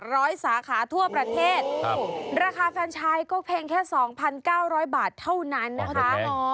ร้อยสาขาทั่วประเทศราคาแฟรนชัยก็เพียงแค่๒๙๐๐บาทเท่านั้นนะคะอ๋อจริงไหม